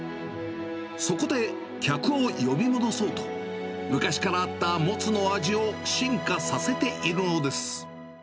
そこで客を呼び戻そうと、昔からあったもつの味を進化させているのです。